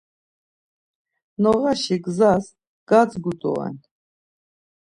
Noğaşi gzas gadzgu doren.